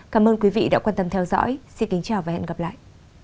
cảm ơn quý vị đã quan tâm theo dõi xin kính chào và hẹn gặp lại